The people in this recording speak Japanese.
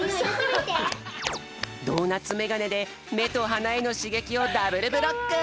ドーナツメガネでめとはなへのしげきをダブルブロック！